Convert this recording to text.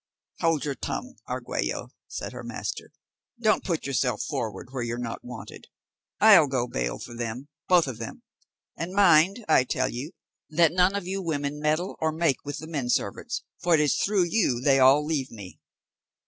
"Hold your tongue, Argüello," said her master; "don't put yourself forward where you're not wanted. I'll go bail for them, both of them. And mind, I tell you, that none of you women meddle or make with the men servants, for it is through you they all leave me."